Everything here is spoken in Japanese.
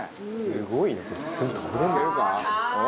すごいね。